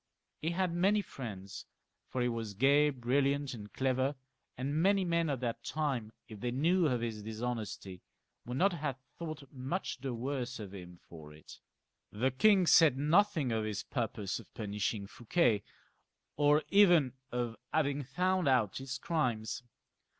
He had many Mends, for he was gay, brilliant, and clever, and many men of that time, if they knew of his dishonesty, would not have thought much the worse of him for it. The king said nothing of his purpose of punishing Fouquet, or even of having found out his crimes.